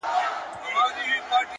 • د هندوستان و لور ته مه ځه,